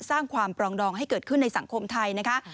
สร้างความปรองดองให้เกิดขึ้นในสังคมไทยนะคะ